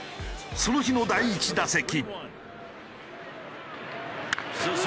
その日の第１打席。